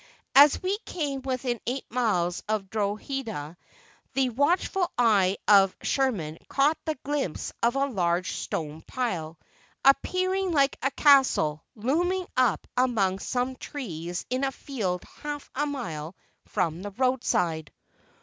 As we came within eight miles of Drogheda, the watchful eye of Sherman caught the glimpse of a large stone pile, appearing like a castle, looming up among some trees in a field half a mile from the roadside.